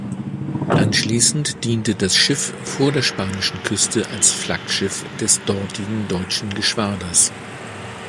Anschließend diente das Schiff vor der spanischen Küste als Flaggschiff des dortigen deutschen Geschwaders.